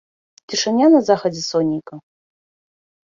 Цішыня на захадзе сонейка.